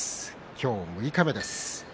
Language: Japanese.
今日六日目です。